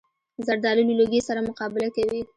زردالو له لوږې سره مقابله کوي.